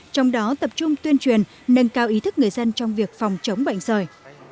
trong đó tập trung tuyên truyền nâng cao ý thức người dân trong việc phòng chống bệnh sởi